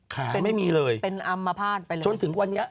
ไม่มีเลยเป็นอัมพาตไปเลยจนถึงวันนี้